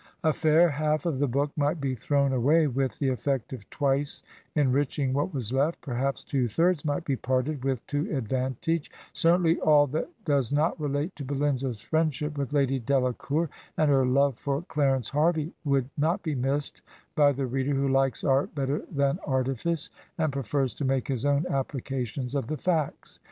A iair half of the book might be thrown away with the effect of twice enriching what was left; perhaps two thirds might be parted with to advantage; certain ly all that does not relate to Belinda's friendship with Lady Delacour and her love for Clarence Harvey would not be missed by the reader who likes art better than artifice, and prefers to make his own applications of the facts.